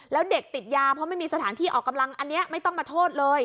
แล้วเด็กติดยาเพราะไม่มีสถานที่ออกกำลังอันนี้ไม่ต้องมาโทษเลย